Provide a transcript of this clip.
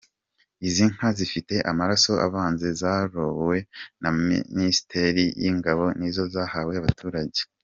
Izi nka zifite amaraso avanze zarowe na Minisiteri y’ingabo nizo zahawe abaturage.